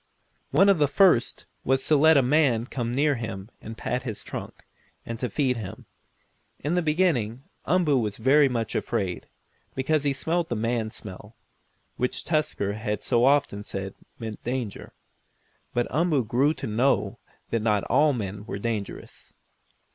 One of the first was to let a man come near him to pat his trunk, and to feed him. In the beginning Umboo was very much afraid, because he smelled the man smell, which Tusker had so often said meant danger. But Umboo grew to know that not all men were dangerous.